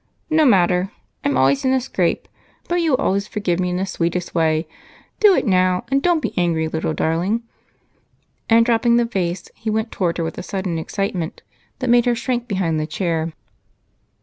No matter I'm always in a scrape, but you always forgive me in the sweetest way. Do it now, and don't be angry, little darling." And, dropping the vase, he went toward her with a sudden excitement that made her shrink behind the chair.